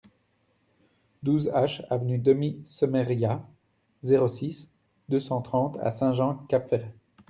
douze H avenue Denis Semeria, zéro six, deux cent trente à Saint-Jean-Cap-Ferrat